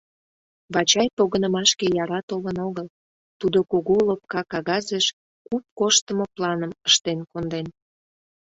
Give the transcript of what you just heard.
Вачай погынымашке яра толын огыл, тудо кугу лопка кагазеш куп коштымо планым ыштен конден.